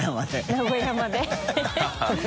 名古屋まで